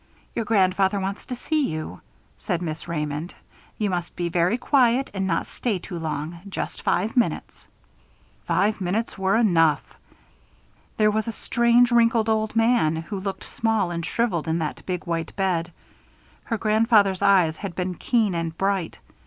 "Your grandfather wants to see you," said Miss Raymond. "You must be very quiet and not stay too long just five minutes." Five minutes were enough! There was a strange, wrinkled old man, who looked small and shriveled in that big white bed. Her grandfather's eyes had been keen and bright.